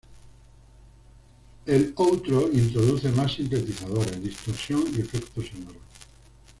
El outro introduce más sintetizadores, distorsión y efectos sonoros.